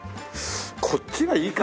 こっちがいいか！